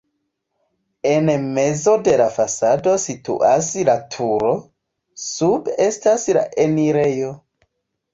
En mezo de la fasado situas la turo, sube estas la enirejo.